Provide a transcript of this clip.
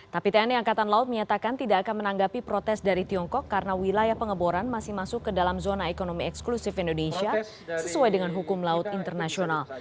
tapi tni angkatan laut menyatakan tidak akan menanggapi protes dari tiongkok karena wilayah pengeboran masih masuk ke dalam zona ekonomi eksklusif indonesia sesuai dengan hukum laut internasional